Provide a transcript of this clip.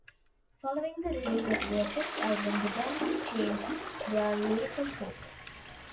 Following the release of their first album the band changed their lyrical focus.